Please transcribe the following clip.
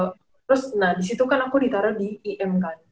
terus nah disitu kan aku ditaro di im kan